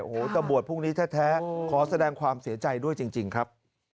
โอ้โหตำรวจพรุ่งนี้แท้ขอแสดงความเสียใจด้วยจริงครับ